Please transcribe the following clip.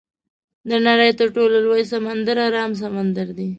د نړۍ تر ټولو لوی سمندر ارام سمندر دی.